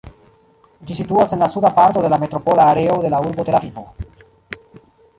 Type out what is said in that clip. Ĝi situas en la suda parto de la metropola areo de la urbo Tel-Avivo.